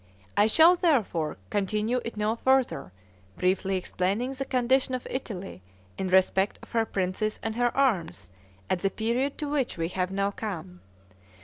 I shall, therefore, continue it no further, briefly explaining the condition of Italy in respect of her princes and her arms, at the period to which we have now come.